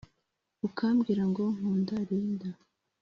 ukambwira ngo “nkunda linda”